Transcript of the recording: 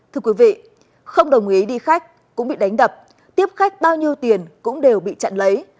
thưa quý vị không đồng ý đi khách cũng bị đánh đập tiếp khách bao nhiêu tiền cũng đều bị chặn lấy